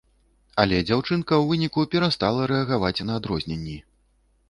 Але дзяўчынка ў выніку перастала рэагаваць на адрозненні.